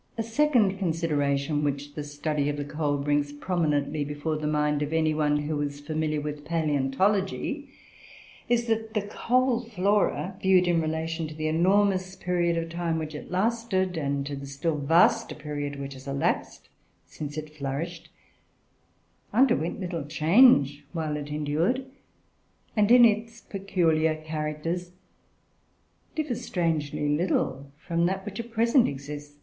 A second consideration which the study of the coal brings prominently before the mind of any one who is familiar with palaeontology is, that the coal Flora, viewed in relation to the enormous period of time which it lasted, and to the still vaster period which has elapsed since it flourished, underwent little change while it endured, and in its peculiar characters, differs strangely little from that which at present exist.